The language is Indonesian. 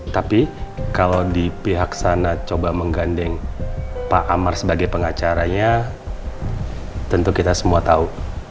tapi kalau di pihak sana coba menggandeng pak amar sebagai pengacaranya tentu kita semua tahu